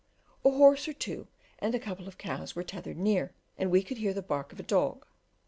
A horse or two and a couple of cows were tethered near, and we could hear the bark of a dog.